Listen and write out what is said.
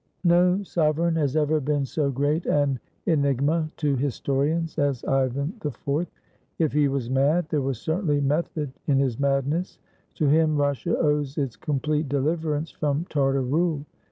No sovereign has ever been so great an enigma to his torians as Ivan IV. If he was mad, there was certainly method in his madness. To him Russia owes its com plete deliverance from Tartar rule.